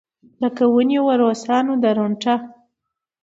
لکه ونېوه روسانو درونټه.